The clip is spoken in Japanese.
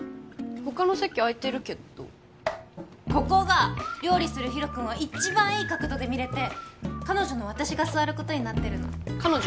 他の席空いてるけどここが料理するヒロ君を一番いい角度で見れて彼女の私が座ることになってるの彼女？